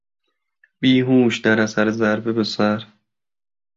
بیهوش در اثر ضربه به سر